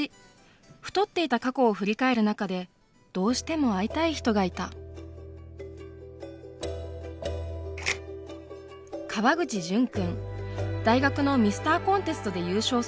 太っていた過去を振り返る中でどうしても会いたい人がいた大学のミスターコンテストで優勝する人気者。